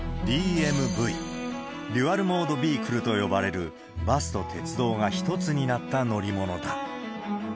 ＤＭＶ・デュアル・モード・ビークルと呼ばれる、バスと鉄道が一つになった乗り物だ。